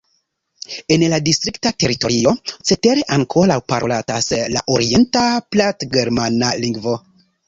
En la distrikta teritorio cetere ankoraŭ parolatas la orienta platgermana lingvo.